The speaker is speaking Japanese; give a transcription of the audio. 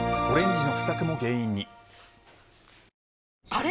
あれ？